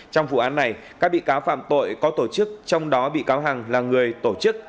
trong vụ án này các bị cáo phạm tội có tổ chức trong đó bị cáo hằng là người tổ chức